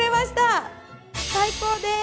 最高です！